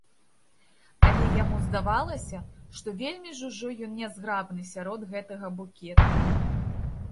Але яму здавалася, што вельмі ж ужо ён нязграбны сярод гэтага букета.